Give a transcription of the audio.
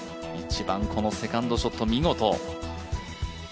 １番、このセカンドショット、見事。